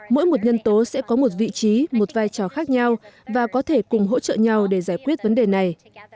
mỗi một nhân tố sẽ có một vị trí một vai trò khác nhau và có thể cùng hỗ trợ nhau để giải quyết vấn đề này